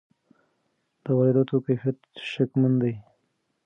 د وارداتو کیفیت شکمن دی.